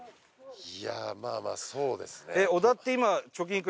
いやあまあまあそうですね。